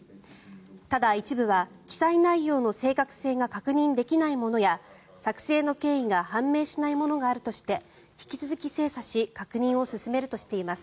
ただ、一部は記載内容の正確性が確認できないものや作成の経緯が判明しないものがあるとして引き続き精査し確認を進めるとしています。